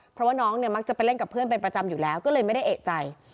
เพราะว่าน้องเนี่ยมักจะไปเล่นกับเพื่อนเป็นประจำอยู่แล้วก็เลยไม่ได้เอกใจ